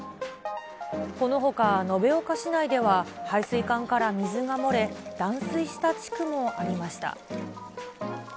このほか、延岡市内では、配水管から水が漏れ、断水した地区もありました。